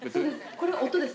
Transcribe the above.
これは音です。